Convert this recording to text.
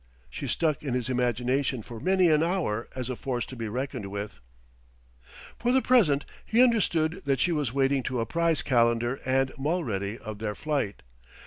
She stuck in his imagination for many an hour as a force to be reckoned with. For the present he understood that she was waiting to apprise Calendar and Mulready of their flight.